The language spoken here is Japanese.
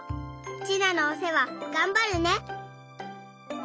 ちなのおせわがんばるね。